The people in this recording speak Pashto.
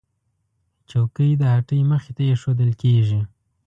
چوکۍ د هټۍ مخې ته ایښودل کېږي.